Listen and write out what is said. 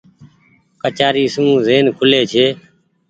ڪچآري سون زين کولي ڇي۔